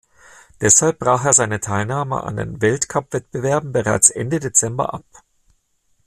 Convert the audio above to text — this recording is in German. Deshalb brach er seine Teilnahme an den Weltcupwettbewerben bereits Ende Dezember ab.